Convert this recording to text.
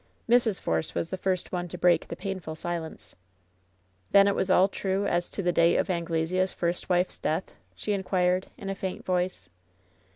Mrs. Force was the first one to break the painful silence. "Then it was all true as to the date of Anglesea's first wife's death ?" she inquired, in a faint voice.